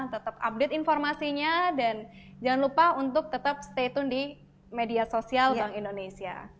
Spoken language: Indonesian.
tetap update informasinya dan jangan lupa untuk tetap stay tone di media sosial bank indonesia